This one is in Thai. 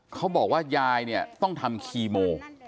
เขาบอกว่ายายเนี่ยต้องทำคีโม